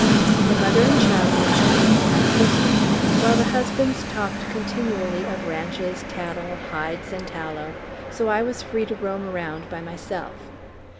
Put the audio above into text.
The mother and child were company for my sister, while the husbands talked continually of ranches, cattle, hides, and tallow, so I was free to roam around by myself.